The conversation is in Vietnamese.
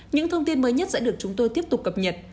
những thông tin mới nhất sẽ được chúng tôi tiếp tục cập nhật